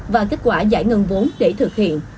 và kết quả giải ngân vốn để thực hiện